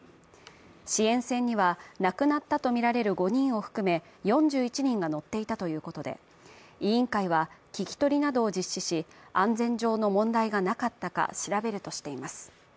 支援船には亡くなったとみられる５人を含め４１人が乗っていたということで、委員会は聞き取りなどを実施し、安全上の問題がなかったか調べるとしています。